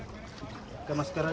nanti kita akan lihat